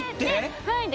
はい。